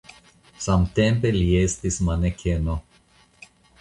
Samtempe li estis manekeno.